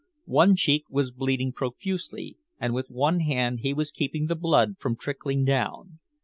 One cheek was bleeding profusely and with one hand he was keeping the blood from trickling down.